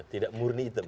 tidak murni hitam